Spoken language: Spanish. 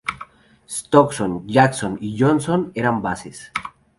Stockton, Jackson, y Johnson eran bases.